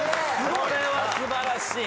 これは素晴らしい。